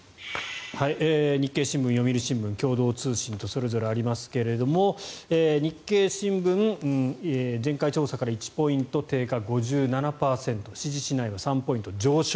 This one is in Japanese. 日経新聞、読売新聞共同通信とそれぞれありますが日経新聞前回調査から１ポイント低下５７％。